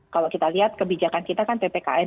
kalau kita lihat kebijakan kita kan ppkm